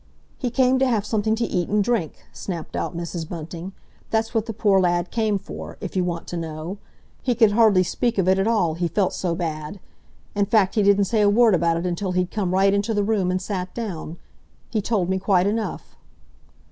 "He came to have something to eat and drink," snapped out Mrs. Bunting. "That's what the poor lad came for, if you wants to know. He could hardly speak of it at all—he felt so bad. In fact, he didn't say a word about it until he'd come right into the room and sat down. He told me quite enough!"